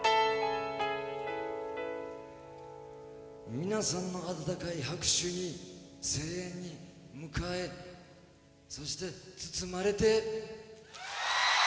皆さんの温かい拍手に声援に迎えそして包まれて。